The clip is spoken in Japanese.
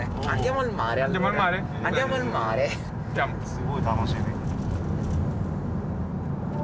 すごい楽しみ。